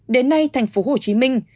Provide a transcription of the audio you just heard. đến nay thành phố hồ chí minh